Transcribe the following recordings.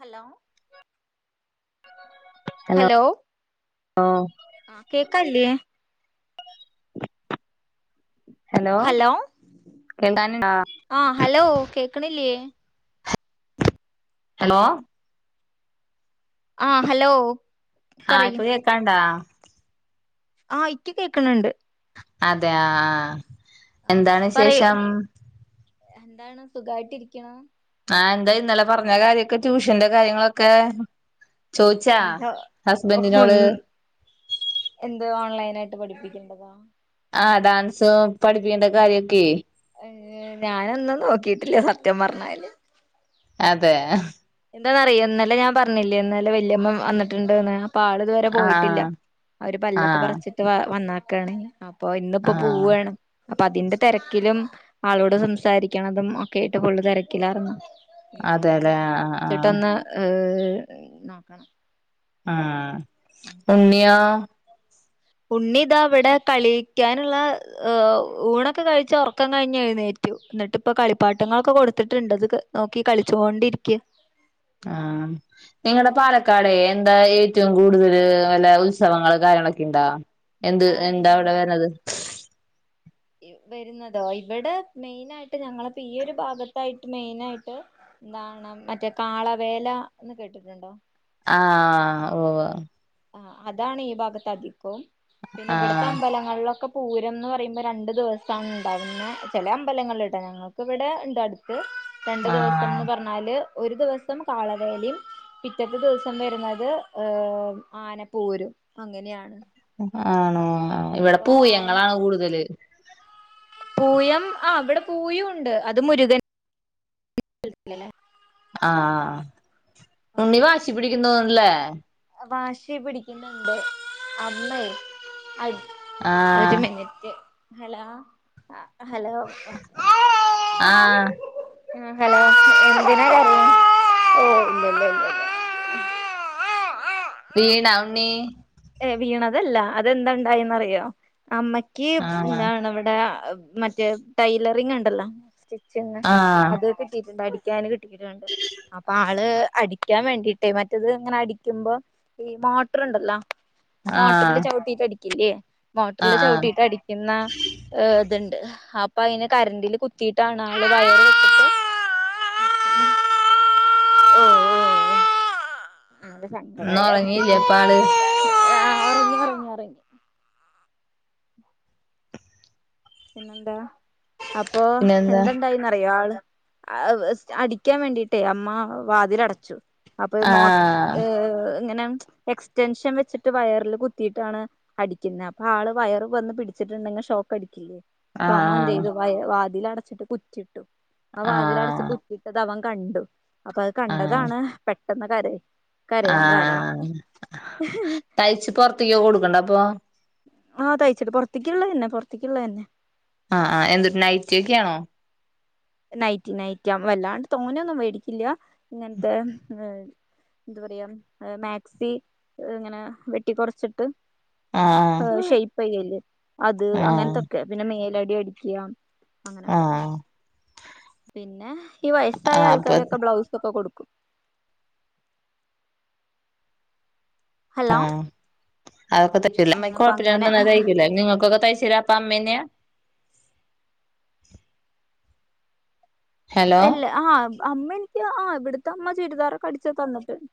Hello hello [unintelligible] കേക്കല്ലിയ hello [unintelligible] ആ hello കേക്ക്ണില്ലേ? Hello ആ ഹലോ ആ ഇപ്പ കേക്കാണ്ടാ? ആഹ ഇക്ക് കേക്കണ് ണ്ട് അതെയാ ആ എന്താണ് വിശേഷം? എന്താണ് സുഖയിട്ട് രിക്ക്ണു ആ എന്തായിഇന്നലെ പറഞ്ഞ കാര്യൊക്കെ ട്യൂഷന്റെ കാര്യങ്ങളൊക്കെ? ചോയിച്ചാ ഹസ്ബന്റിനോട്? എന്ത് ഓൺലൈനായിട്ട് പഠിപ്പിക്കണ്ടതാ ആ ഡാൻസുപഠിപ്പിക്കേണ്ട കാര്യൊക്കെ ഞാനൊന്നും നോക്കിട്ടില്ലസത്യം പറഞ്ഞാല്. അതെ എന്താന്നറിയോ ഇന്നലെ ഞാൻ പറഞ്ഞില്ലേഇന്നലെ വല്യമ്മ വന്നിട്ടുണ്ട്ന്ന്. അപ്പ ആള് ഇതുവരെ പോയിട്ടില്ല ആഹ് അവര് പല്ലൊക്കെ ആഹ് പറച്ചിട്ട് വന്നാക്കാണ്. പ്പൊ ഇന്ന്പ്പേ ആഹ് പേവാണ് അപ്പ അതിന്റെ തിരക്കിലും ആളോട് സംസാരിക്കണതും ഒക്കെ ആട്ട് ഫുള് തിരക്കിലാര്ന്ന്. അതെ ലെ ആ ആ ആഹ അഹ് ആ ഉണ്ണിയോ? ഉണ്ണിതാ ഇവിടെ കളിക്കാനുള്ള. ഏഹ് ഊണൊക്കെ കഴിച്ച് ഉറക്കം കഴിഞ്ഞ് എഴുന്നേറ്റു. എന്നിട്ട് ഇപ്പൊ കളിപ്പാട്ടങ്ങളൊക്കെ കൊടുത്തിട്ടുണ്ട്ത്. നോക്കി കളിച്ചോണ്ടിരിക്ക. ആഹ്. നിങ്ങടെ പാലക്കാട് എന്താ ഏറ്റവും കൂടുതൽ വല്ല ഉത്സവങ്ങള് കാര്യങ്ങളൊക്കെ ഉണ്ടാ? എന്ത് എന്താ അവിടെ വര്നത്. വരുന്നതോ ഇവിടെ മെയിനായിട്ട് ഞങ്ങളപ്പോ ഈ ഒരു ഭാഗത്തായിട്ട് മെയിനായിട്ട്. എന്താണ് മറ്റേ കാളവേല എന്ന് കേട്ടിട്ടുണ്ടോ? ആഹ് ഉവ്വ്. ആ അതാണ് ഈ ഭാഗത്ത് അധികവും പിന്നെ ഇവിടത്തെ ആഹ് അമ്പലങ്ങളിലൊക്കെ പൂരം എന്ന് പറയുമ്പോ രണ്ടു ദിവസാണ് ഉണ്ടാവുന്നത് ചില അമ്പലങ്ങളില്ട്ട ഞങ്ങൾക്ക് ഇവിടെ ഉണ്ട് അടു ട്ട് രണ്ട് ആഹ് ദിവസംന്ന് പറഞ്ഞ അതില് ഒരു ദിവസം കാളവേലിം പിറ്റത്തെ ദിവസം വരുന്നത് ഏഹ് ആനപ്പോരും അങ്ങനെയാണ്. ആണോ? ഇവിടെ പൂയങ്ങളാണ് കൂടുതല്. പൂയം ആഹ് ഇവടെ പൂയൂണ്ട് അത് മുരുകൻ ലല്ലേ? ആഹ് ഉണ്ണീ വാശി പിടിക്കും തോന്ന്ണ്ല്ലേ? വാശി പിടിക്കുന്നുണ്ട് അമ്മെ അ ഒരു ആഹ് മിനിറ്റ് ഹലോ ആഹ് ഹലോ ആഹ് ഹലോ എന്തിനാ കരയ്ണെ? വീണോ ഉണ്ണി? ഏയ് വീണതല്ല അതെന്ത ഇണ്ടായിന്നറിയോ? അമ്മയ്ക്ക് ആഹ് എന്താണ് അവിടെ മറ്റേ ടൈലറിങ്ണ്ടല്ലോ? സ്റ്റിച്ച് സ്റ്റിച്ചിംഗ് ആഹ് അത് കിട്ടിയിട്ടുണ്ട് അടിക്കാന് കിട്ടിയിട്ടുണ്ട്. അപ്പൊ ആള് അടിക്കാൻ വേണ്ടിയിട്ടേ മറ്റത് ഇങ്ങനെ അടിക്കുമ്പോ ഈ മോട്ടറ് ഇണ്ടല്ലോ ആഹ് മോട്ടറില് ചവിട്ടിട്ട് അടിക്കില്ലേ? മോട്ടറില് ആഹ് ചവിട്ടിയിട്ട് അടിക്കുന്ന ഏഹ് ഇത്ണ്ട് അപ്പൊ അയിന് കറണ്ടില് കുത്തിയിട്ടാണ് ആള് വയറ് ഓ അത ഇന്ന് സങ്കടായ കുട്ടിക്ക് ഉറങ്ങിയില്ലേ അപ്പ ആള് ആ ഒറങ്ങി ഒറങ്ങി ഒറങ്ങി. പിന്നെന്താ? അപ്പൊ പിന്നെന്താ എന്തണ്ടായിന്ന്റിയോ ആള് അടിക്കാൻ വേണ്ടിയിട്ടേ അമ്മ വാതിലടച്ചു. അപ്പൊ മോ ആഹ് ഏഹ് ഇങ്ങനെ എക്സ്റ്റൻഷൻ വെച്ചിട്ട് വയറില് കുത്തിയിട്ടാണ് അടിക്ക്ന്നെ അപ്പൊ ആള് വയറ് വന്ന് പിടിച്ചിട്ട്ണ്ടെങ്കി ഷോക്ക് അടിക്കില്ലേ? അപ്പൊ അമ്മ ആഹ് എന്തെയ്തു വാതിലടച്ചിട്ട് കുറ്റിയിട്ടു ആ വാതിലടച്ച് കു ആഹ് കുറ്റിയിട്ടത് അവൻ കണ്ടു അപ്പൊ അത് ആഹ് കണ്ടതാണ് പെട്ടെന്ന് കര കരയാൻ കാരണം. ആഹ് തയ്ച്ച് പൊറത്ത്ക്ക് ഒക്കെ കൊടുക്ക്ണ്ടോ അപ്പൊ? ആഹ് തയ്ച്ചിട്ട് പൊറത്തിക്ക്ള്ളതന്നെ തന്നെ പൊറത്തിക്ക്ള്ളതന്നെ. ആഹ് ആഹ് എന്തുട്ട നൈറ്റിയൊക്കെയാണോ? നൈറ്റി നൈറ്റി ആ വല്ലാണ്ട് തോനയൊന്നും വേടിക്കില്ല ഇങ്ങനത്തെ എന്താ പറയാ മാക്സി ഇങ്ങനെ വെട്ടി കൊറച്ചിട്ട്. ആഹ് ഏഹ് ഷേപ്പ് ചെയ്യല് അത് ആഹ് അങ്ങനത്തൊക്കെ പിന്നെ മേലടി അടിക്കാ അങ്ങനൊക്കെ ആഹ് പിന്നെ ഈ വയസ്സായ ആഹ് അപ്പൊ ആൾക്കാരൊക്കെ ബ്ലൗസൊക്കെ കൊടുക്കും. ആഹ് അതൊക്കെ തയ്ക്കൂലേ അമ്മ കൊഴപ്പില്ലാതെ നന്നായി തയ്ക്കൂലേ നിങ്ങക്കൊക്കെ തയ്ച്ച് തരാ അപ്പ അമ്മയന്നെയ? ഹലോ ഇല്ല ആഹ് അമ്മ എനിക്ക് ആ ഇവിടുത്തെ അമ്മ ചുരിദാറൊക്കെ അടിച്ച് തന്നിട്ട്ണ്ട്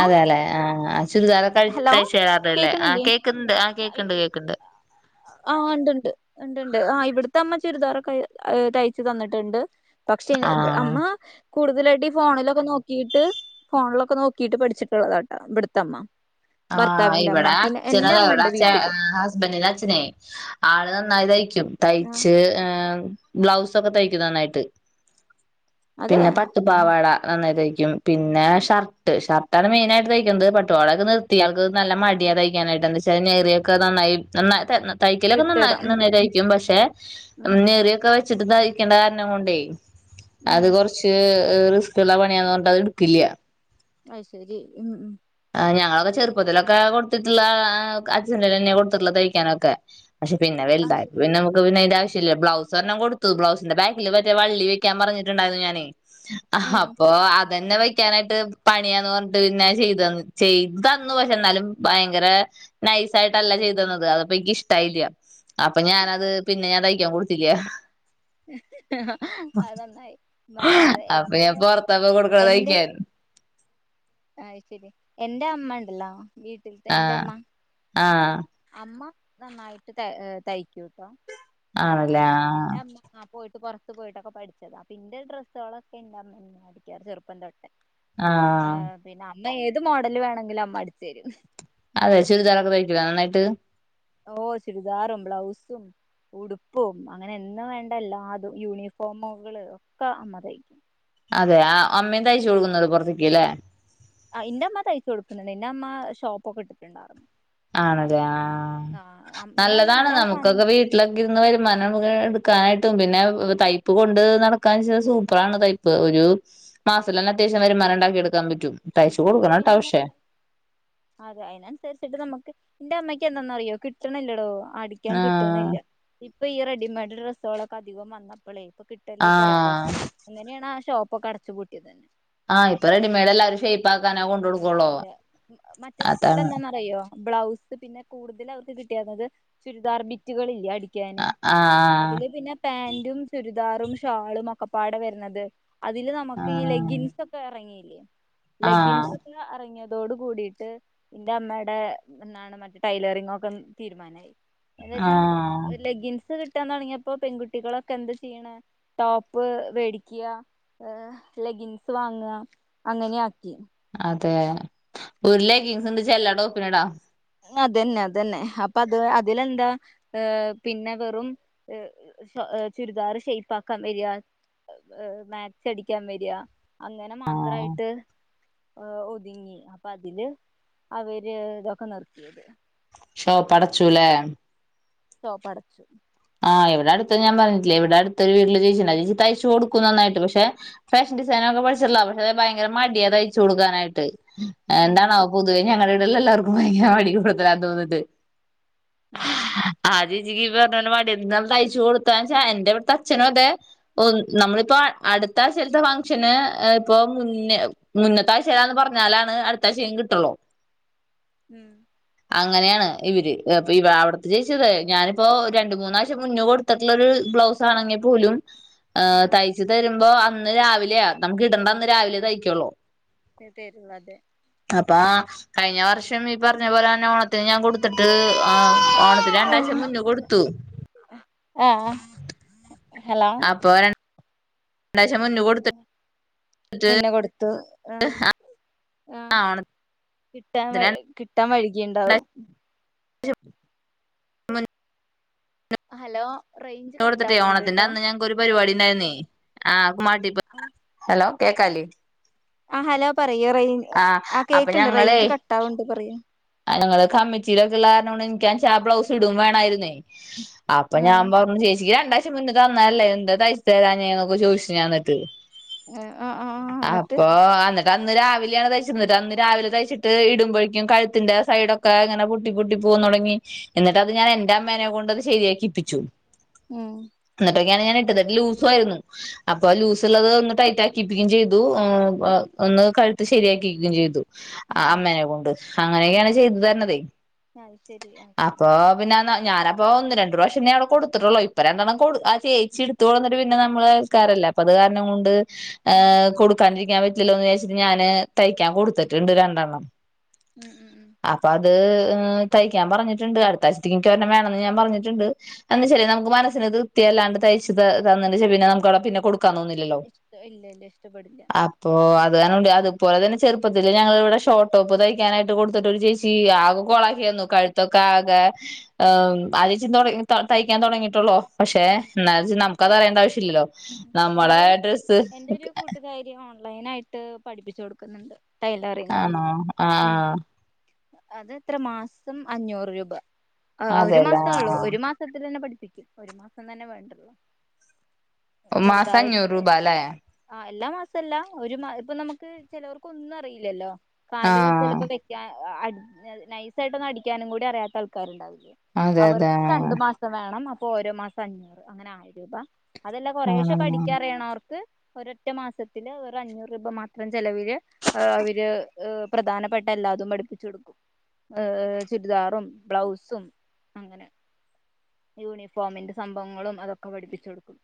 അതേല്ലെ ആഹ് ആ ചുരിദാറ് ഒക്കെ തഴ്ച്ചു തരാറുണ്ട് ല്ലേ? ആ കേക്ക്ന്ന്ണ്ട് ആഹ് കേക്ക്ണ്ട് കേക്ക്ണ്ട് ആഹ് ഇണ്ട്ണ്ട് ഇണ്ട്ണ്ട് ആഹ് ഇവിടുത്തെ അമ്മ ചുരിദാറ് ഒക്കെ തയ്ച്ചു തന്നിട്ടുണ്ട് പക്ഷേ ആഹ് അമ്മ കൂടുതലായിട്ട് ഈ ഫോണിലൊക്കെ നോക്കിയിട്ട് ഫോണിലൊക്കെ നോക്കീട്ട് പഠിച്ചിട്ടുള്ളതാട്ടോ ഇവുടുത്തമ്മ ആഹ് ഇവിടെ അച്ഛന് അതാ ഇവിടെച്ചാ ഹസ് ഹസ്ബൻഡിന്റെ അച്ഛന് ആള് നന്നായി തയ്ക്കും തയ്ച്ച് ഏമ് ബ്ലൗസൊക്കെ തയ്ക്കും നന്നായിട്ട് പിന്നെ പട്ടുപാവാട പാവാട നന്നായി തയ്ക്കും പിന്നെ ഷർട്ട് ഷർട്ടാണ് മെയിനായിട്ട് തയ്ക്കുന്നത് പട്ടു പാവാടൊക്കെ നി ഇയാൾക്ക് നല്ല മടിയാ തയ്ക്കാനായിട്ട്ന്താ വച്ചാൽ നേറിയൊക്കെ നന്നായി നന്നാക്കി തരണം തയ്ക്കലൊക്കെ നന്നായി തൈയ്ക്കും പക്ഷെ നെറിയൊക്കെ തൈ ചെറുത്തായിക്കണ്ട കാരണം കൊണ്ട അത് കൊറച്ച് കുറച്ച് റിസ്ക് ഉള്ള പണിയാന്ന് പറഞ്ഞ് അത് ഇടുക്കില്ല അത് ശരി ഉം ഉം ആഹ് ഞങ്ങളൊക്കെ ചെറുപ്പത്തിലൊക്കെ കൊടുത്തിട്ടുള്ള അച്ഛറെ തന്നെ കൊടുത്തിട്ടുള്ള തയ്ക്കാനൊക്കെ പക്ഷെ പിന്നെ വലുതായ പ്പെനമുക്ക് പിന്നെ ബ്ലൗസ് എരൊണം കൊടുത്തു ബ്ലൗസിന്റെ ബാക്കിൽമറ്റേ വള്ളി വെക്കാൻ പറഞ്ഞിട്ടുണ്ടായിരുന്നു ഞാന് ആഹ് അപ്പൊ അതന്നെ വെക്കാനായിട്ട് പണിയാന്ന് പറഞ്ഞിട്ട് പിന്നെ ചെയ്തന്ന് ചെയ്തു തന്നു പക്ഷെ എന്നാലും ഭയങ്കരെ നൈസായിയിട്ടല്ല ചെയ്ത് തന്നത് അത്പ്പോ എനിക്ക് ഇഷ്ടായില്ല അപ്പൊ ഞാനത് പിന്നെ ഞാൻ തയ്ക്കാൻ കൊടുത്തില്ല അതൊന്നായി മറ്റത് അപ്പൊ എന്റെ ഞാൻ പൊറത്താപ്പോ കൊടുക്കണ എന്റെ തയ്ക്കാൻ അഹ് ശരി എന്റെ അമ്മ ഉണ്ടല്ലോ വീട്ടിൽ എന്റെ ആഹ് അമ്മ ആഹ് അമ്മ നന്നായിട്ട് ത തയ്ക്കൂട്ടോ ആണല്ലേ ആഹ് എന്റെ അമ്മ പോയി പുറത്ത് പോയിട്ടൊക്കെ പഠിച്ചതാണ് പിന്റെ ഡ്രസ്സുകളൊക്കെ ന്റെ അമ്മ അടിക്ക ചെറുപ്പം തൊട്ടെ ആഹ് പിന്നെ അമ്മ ഏത് മോഡല് വേണെങ്കിലും അമ്മ അടിച്ചെരും അതെ ചുരിദാറൊക്കെ തഴിക്കുവൊ നന്നായിട്ട് ഓ ചുരിദാറും ബ്ലൗസും ഉടുപ്പും അങ്ങനെ എന്ന് വേണ്ട എല്ലാതും യൂണിഫോമുകൾ ഒക്കെ അമറി അതെ ആ അമ്മേയും തയ്ച്ചു കൊടുക്കുന്നത് പുറത്തേക്ക് ല്ലേ ആഹ് ന്റെ അമ്മ തയ്ച്ചു കൊടുക്കുന്നുണ്ട് എന്റെറ അമ്മ ഷോപ്പ് ഒക്കെ ഇട്ടിട്ടുണ്ടായിരുന്നു ആണല്ലെ ആഹ് നല്ലതാണ് നമുക്കൊക്കെ വീട് വീട്ടിലൊക്കെരന്ന് വരുമാനം എടുക്കാനായിട്ടും പിന്നെ തൈപ്പ് കൊണ്ട് നടക്കാ വെച്ചൽ സൂപ്പറാണ് തൈപ്പ് ഒരു മാസത്തി തന്നെ അത്യാവശ്യം വരുമാനം ഉണ്ടാക്കി എടുക്കാൻ പറ്റും തയ്ച്ചു കൊടുക്കണം കേട്ടോ പക്ഷേ അതെ അയിനനുസരിച്ചിട്ട് നമുക്ക് എന്റെ അമ്മയ്ക്ക് എന്താന്ന അറിയോ കിട്ടണില്ലെടോ അടിക്കാൻ ആഹ് കിട്ട്ണില്ല ഇപ്പൊ ഈ റെഡിമെയഡ് ഡ്രസ്സുകളൊക്കെ അധികം വന്നപ്പോളേ ഇപ്പൊ കിട്ടല് കൊറവാ ആഹ് അങ്ങനെയാണ് ആ ഷോപ്പൊക്കെ അടച്ചുപൂട്ടിയത് ആഹ് ഇപ്പ റെഡിമേയ്ഡ് എല്ലരും ഷേ്യ്പ്പ് ആക്കാന കൊടുക ള്ളൂ അതെ മറ്റത് പുള്ളെന്താന്നറിയോ ബ്ലൗസ് പിന്നെ കൂടുതൽ ക്കൾക്ക് കിട്ടിയേരർന്നത് ചുരിദാർബിറ്റ് ബിറ്റുകളില്ലെ അടിക്കാന് ആഹ് ആഹ് അതില് പിന്നെ പാന്റും ചുരിദാറും ഷാളും ഒക്കെപ്പാടെ വരുന്നത് അതില് നമുക്ക് ഈ ലെഗ്ഗിൻസ് ഒക്കെ ഇറങ്ങിയില്ലേ ആഹ് ലെഗ്ഗിൻസ് അറങ്ങയതോട് കൂടിട്ട് എന്റെഅമ്മേടെ ടൈലെറിങ് ഒക്കെ തീരുമാനമായത് ആഹ് കിട്ടാതുടങ്ങിയപ്പോ പെൺകുട്ടികളൊക്കെ എന്ത് ചെയ്യണ ടോപ്പ് വേടിക്കുക ഏഹ് ലെഗിൻസ് വാങ്ങ് അങ്ങനെയാ ക്കി അതെ ഒരു ലെഗിങ്സോണ്ട് ചെ ല്ലാടോപ്പില്ലടാ അതന്നെ അതന്നെ അപ്പൊ അത് അതിലെന്താ പിന്നെ വെറും ചുരിദാർ ഷെയ്പ്പാക്കാവെരാ മാക്സി അടിക്കാവെര അങ്ങനെ ആഹ് മാത്രായിട്ട് ഹഒതുങ്ങി അപ്പൊ അതില് അവര് തൊക്കെനിർത്തിയത് ഷോപ്പടച്ചുല്ലേ ഷോപ്പടച്ചു ആഹ് ഇവിടടുത്ത് ഞാൻ പറഞ്ഞിട്ടില്ലേ ഇവിടടുത്തൊരു വീട്ടില് ചേച്ചിണ്ട് ആ ചേച്ചി തയ്ച്ചുകൊടുക്കും നന്നായിട്ട് പക്ഷെ ഫാഷൻഡിസൈനൊക്കെ പഠിച്ചിട്ടുള്ള പക്ഷെ ഭയങ്കര മടിയാ തയ്ച്ചുകൊടുക്കാനായിട്ട് എന്താണാവോ പൊതുവേ ഞങ്ങളവ്ടെല്ലാർക്കും ഭയങ്കര മടി കൂടുതലാ തോന്ന്ന്നത് ആഹ് ആഹ് ആ ചേചിക്ക് ഈ പറഞ്ഞ പോലെ മടി ന്നാള് തയ്ച്ചുകൊടുത്താചാ ഇന്റെ ഇവിടുത്തച്ഛനും അതേ ഓ നമ്മളിപ്പോ അടുത്താഴ്ചൽത്തെ ഫംഗ്ഷന് ഇപ്പൊ മുന്നേ മുന്നത്താഴ്ചയിലാന്ന് പറഞ്ഞാലാണ് അടുത്ത ആഴ്ചെങ്കിലും കിട്ടുള്ളൂ ഉം അങ്ങനെയാണ് ഇവര് പ്പൊ അവിടുത്തെ ചേച്ചിയതേ ഞാനിപ്പോ രണ്ട്മൂന്നാഴ് ച്ചമുന്നെ കൊടുത്ത്ട്ടൊള്ളോരു ബ്ലൗസാണെങ്കി പോലും ഏഹ് തയ് ച്ച് തരുമ്പോ അന്ന് രാവിലെയ നമുക്കിടേണ്ടന്ന് രാവിലെ തയ്ക്കുള്ളൂ തെരുന്നതേ അപ്പ കഴിഞ്ഞ വർഷം ഈ പറഞ്ഞ പോലെ തന്നെ ഓണത്തിന് ഞാൻ കൊ ടുത്തിട്ട് ആഹ് ഓണത്തിന് രണ്ടാഴ്ച മുന്നെ കൊടുത്തു ആഹ് ഹലോ അപ്പോ രണ്ടാഴ്ച മുന്നേ കൊടുത്തിട്ട് ആഹ് ആ ഓണ ട്ടാൻവഴ് കിട്ടാൻവഴികിയുണ്ടാവും രണ്ടാഴ്ച മുൻ ഹലോ ന്നെ കൊടുത്തിട്ടേ ഓണത്തിന്റന്ന് ഞങ്ങക്കൊരു പരിപാടിണ്ടായിര്ന്നേ ആഹ് കുമ്മാട്ടി പ്പ ആഹ് ഹലോ കേക്കാല്ലെ ആഹ് ഹലോ പറയ് റയ് ആഹ് ആ കേക്ക്‌ണ്ട് റേയ്ഞ്ച് കട്ടാവ്ണ്ട് പറയ് ആ ഞങ്ങള് കമ്മിറ്റിയിലൊക്കെള്ളാരണാണ് എനിക്ക ചാ ബ്ലൗസ് ഇടും വേണായിരുന്നേ അപ്പൊ ഞാൻ പറഞ്ഞു ചേച്ചിക്ക് രണ്ടാഴ്ച്ച മുന്നെ തന്ന അല്ലേ എന്താ തയ്ച്തരാഞ്ഞേ എന്നൊക്കെ ചോയിച്ചു ഞാന്നിട്ട്. അപ്പോ അന്ന് ട്ടന്ന് രാവിലെയാണ് തയ്ച്ചന്ന് ന്നിട്ട് അന്ന് രാവിലെ തയ്ച്ചിട്ട് ഇടുമ്പോഴേക്കും കഴ് ത്തിന്റെ സൈഡൊക്കെ ഇങ്ങനെ പൊട്ടി പൊട്ടി പോവാൻ തൊടങ്ങി. എന്നിട്ട്ത് ഞാൻ എന്റെ അമ്മേനെ കൊണ്ട്ത് ശരിയാക്കിപ്പിച്ചു. ഉം ഇന്നിട്ടൊക്കെയാണ് ഞാനിട്ടത് ലൂസും ആയിരുന്നു അപ്പ ലൂസള്ളത് ഒന്ന് ടൈറ്റാക്കിപ്പിക്കുകയും ചെയ്തു ഒന്ന് കഴുത്ത് ശരിയാക്കികയും ചെയ്തു അമ്മേനെ കൊണ്ട് അങ്ങനെയൊക്കെയാണ് ചെയ്തു തരണതേ അപ്പൊ അപ്പൊപിന്നെ ന്ന ഞാനപ്പോ ഒന്ന് രണ്ട്രാവിശ്യം ഞാനവിടെ കൊടുത്തിട്ടുള്ളോ ഇപ്പംരണ്ടണ്ണം കൊടു ആഹ് ചേച്ചിട് ത്ത് കൊട്ന്നിട്ട് പിന്നെ നമ്മള് അയൽക്കാരല്ലെ അപ്പത് കാരണം കൊണ്ട് ഏഹ് കൊടുക്കാണ്ടിരിക്കാൻ പറ്റില്ലല്ലോന്ന് വിജാരിച്ചിട്ട് ഞാാന് തയ്ക്കാൻ കൊടുത്തിട്ടുണ്ട് രണ്ടെണ്ണം. ഉം അപ്പൊ അത് തയ്ക്കാൻ പറഞ്ഞിട്ടുണ്ട് അടുത്താഴ്ചത്തേക്ക് ഇക്കൊരെണം വേണന്ന് ഞാൻ പറഞ്ഞിട്ടുണ്ട് എന്നചാലെ നമുക്ക് മനസ്സിന് തൃപതിയല്ലാണ്ട് തയ്ച് ത തന്നിണ്ടെചേ പിന്നെ നമ്കവ്ടെ പിന്നെ കൊടു ക്കാണോന്നില്ലല്ലോ അപ് പ്പോ അത് കാരണം കൊണ്ട് അത് പോലെ തന്നെ ചെറുപ്പത്തില് ഞങ്ങളവിടെ ഷോട്ടോപ്പ് തയ് ക്കാനായിട്ട് കൊടുത്തിട്ട് ഒരു ചേച്ചി ആകെ കൊളാക്കി തന്നു കഴുത്തൊക്കെ ആകെ ഏഹ് ആ ചേച്ചി ഇന്നോളെ ത തയ്ക്കാൻ തൊടങ്ങിട്ടൊള്ളോ പക്ഷെ എന്നാ വെച്ച് നമുക്കതറിയണ്ടാവിശ്യല്ലല്ലോ നമ്മളെ ഡ്രസ്സ് കാര്യമാണ് ഓനായിട്ട് പഠിപ്പിച്ചു കൊടുക്കുന്നുണ്ട് ആണോ ആഹ് അതെത്ര മാസം അഞ്ഞൂറ് രൂപ ഒരു അതെല്ലേ മാസൊള്ളു ആഹ് ഒരു മാസ്സ് പെട്ടന്നന്നെ പഠിപ്പിക്കും ഒരു മാസം തന്നെ വേണ്ടുള്ളു മാസം അഞ്ഞൂറ് രൂപല്ലേ ആ എല്ലാ മാസുല്ല ഒരു മ ഇപ്പൊ നമുക്ക് ചിലവർക്ക് ഒന്നും അറിയില്ലല്ലോ കാല് ആഹ് ചെലപ്പോ വെ ആ അട് നൈസായിട്ടൊന്നു അടിക്കാനും കൂടി അറിയാത്ത ആൾക്കാരുണ്ടാവില്ലേ അതെ അതെ അവർക്ക് രണ്ടു ആഹ് മാസ്സ് ക്ക വേണം അപ്പോ ഓരോ മാസം അഞ്ഞൂറ് അങ്ങനെ ആക്കീത അതല്ല കൊറേശ ആഹ് പടിക്കാറിയണോർക്ക് ഒരൊറ്റ മാസത്തില് ഒരു അഞ്ഞൂറ് രൂപ മാത്രം ചെലവില് ആ അവര് പ്രധാനപ്പെട്ട എല്ലാതും പഠിപ്പിച്ചു കൊടുക്കും ആഹ് ചുരിദാറും ബ്ലൗസും അങ്ങനെ യൂണിഫോമിന്റെ സംഭവങ്ങളും അതൊക്കെ പഠിപ്പിച്ചു കൊടുക്കും